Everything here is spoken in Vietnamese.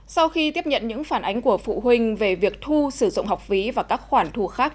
sau khi tiếp nhận những phản ánh của phụ huynh về việc thu sử dụng học phí và các khoản thu khác